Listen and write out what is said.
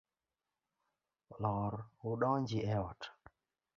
Lor u donji e ot.